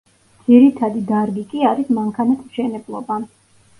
ძირითადი დარგი კი არის მანქანათმშენებლობა.